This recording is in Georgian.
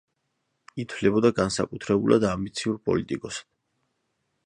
ითვლებოდა განსაკუთრებულ ამბიციურ პოლიტიკოსად.